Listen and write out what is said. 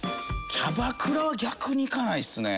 キャバクラは逆に行かないですね。